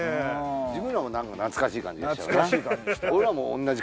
自分らも何か懐かしい感じがしたよな